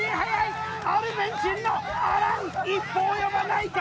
アルゼンチンのアラン一歩及ばないか？